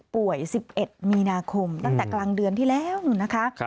ป่วย๑๑มีนาคมตั้งแต่กลางเดือนที่แล้วนู่นนะคะ